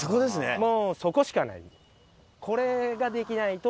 もうそこしかない。